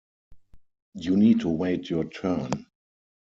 You need to wait your turn.